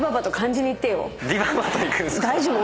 大丈夫？